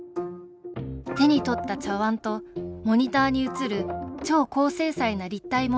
手に取った茶碗とモニターに映る超高精細な立体モデルが連動。